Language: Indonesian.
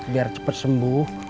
biar cepet sembuh